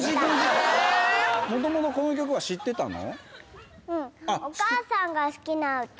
もともとこの曲は知ってたの？